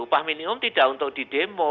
upah minimum tidak untuk di demo